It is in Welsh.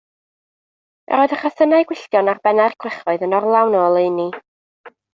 Yr oedd y rhosynnau gwylltion ar bennau'r gwrychoedd yn orlawn o oleuni.